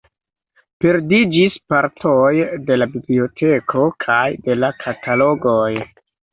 Perdiĝis partoj de la biblioteko kaj de la katalogoj.